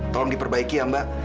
tolong diperbaiki ya mbak